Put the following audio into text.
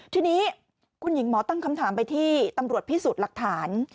ทีนี้คุณหญิงหมอตั้งคำถามไปที่ตำรวจพิสูจน์หลักฐาน